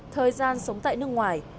thời gian sống tại nước ngoài